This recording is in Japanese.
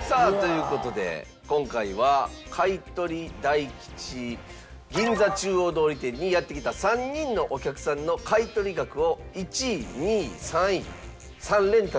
さあという事で今回は買取大吉銀座中央通り店にやって来た３人のお客さんの買取額を１位２位３位３連単で当てていただきます。